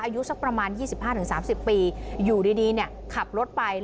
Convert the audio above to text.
อายุสักประมาณ๒๕๓๐ปีอยู่ดีขับรถไป